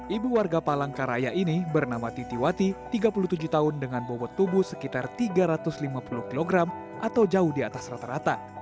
ibu warga palangkaraya ini bernama titi wati tiga puluh tujuh tahun dengan bobot tubuh sekitar tiga ratus lima puluh kg atau jauh di atas rata rata